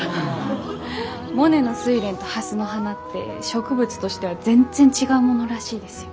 モネの睡蓮と蓮の花って植物としては全然違うものらしいですよ。